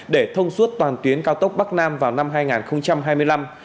để thông suốt toàn tuyến cao tốc bắc nam vào năm hai nghìn hai mươi năm